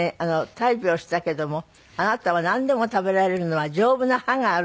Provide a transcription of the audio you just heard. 大病したけどもあなたはなんでも食べられるのは丈夫な歯があるんですって？